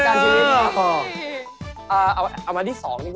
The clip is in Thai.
คลายประกันชีวิต